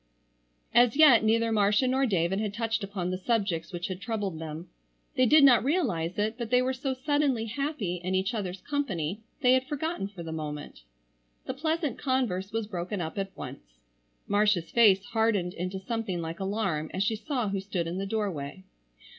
As yet neither Marcia nor David had touched upon the subjects which had troubled them. They did not realize it, but they were so suddenly happy in each other's company they had forgotten for the moment. The pleasant converse was broken up at once. Marcia's face hardened into something like alarm as she saw who stood in the doorway.